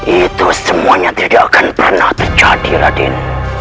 itu semuanya tidak akan pernah terjadi raden